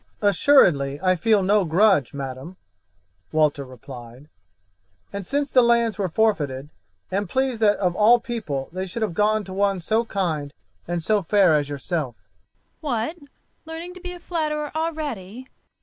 "Assuredly I feel no grudge, madam," Walter replied, "and since the lands were forfeited, am pleased that of all people they should have gone to one so kind and so fair as yourself." "What, learning to be a flatterer already!"